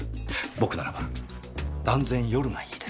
僕ならば断然夜がいいですね。